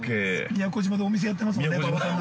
◆都島でお店やってますもんね。